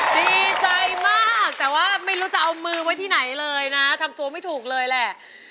ดีใจมากแต่ว่าไม่รู้จะเอามือไว้ที่ไหนเลยนะทำตัวไม่ถูกเลยแหละ